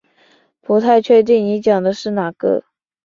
不太确定你讲的是哪个